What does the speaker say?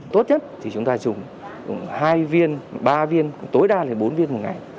tốt nhất thì chúng ta chùng hai viên ba viên tối đa là bốn viên một ngày